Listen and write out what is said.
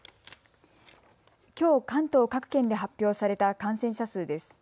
きょう関東各県で発表された感染者数です。